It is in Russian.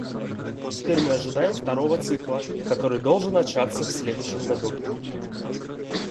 Теперь мы ожидаем второго цикла, который должен начаться в следующем году.